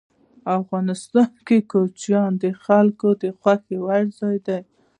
افغانستان کې کوچیان د خلکو د خوښې وړ ځای دی.